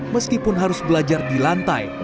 meskipun harus belajar di lantai